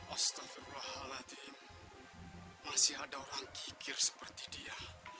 ustadz masih ada orang kikir seperti dia